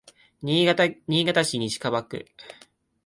新潟市西蒲区